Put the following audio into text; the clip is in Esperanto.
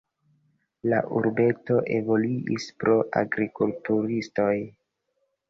La urbeto evoluis pro agrikulturistoj.